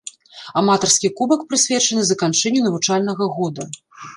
Аматарскі кубак прысвечаны заканчэнню навучальнага года.